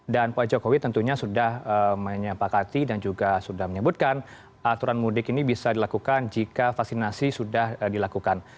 dan pak jokowi tentunya sudah menyempakati dan juga sudah menyebutkan aturan mudik ini bisa dilakukan jika vaksinasi sudah dilakukan